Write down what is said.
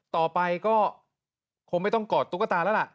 ต่อไปก็คงไม่ต้องกอดตุ๊กตาแล้วล่ะ